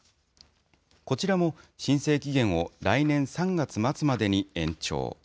こちらも申請期限を来年３月末までに延長。